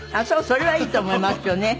それはいいと思いますよね。